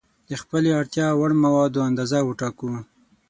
د خپلې اړتیا وړ موادو اندازه وټاکو.